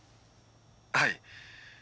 はい。